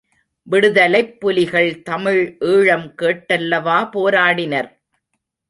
விடுதலைப்புலிகள் தமிழ் ஈழம் கேட்டல்லவா போராடினர்.